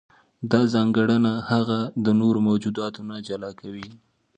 دا ځانګړنه هغه د نورو موجوداتو نه جلا کوي.